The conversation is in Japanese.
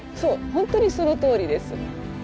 本当にそのとおりです。